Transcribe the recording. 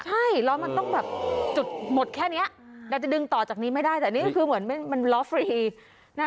ใช่ล้อมันต้องแบบจุดหมดแค่นี้เราจะดึงต่อจากนี้ไม่ได้แต่นี่ก็คือเหมือนมันล้อฟรีนะ